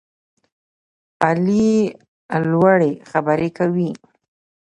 علي لوړې خبرې کوي.